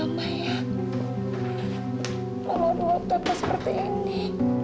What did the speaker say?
maafin mama ya mama belum tetap seperti ini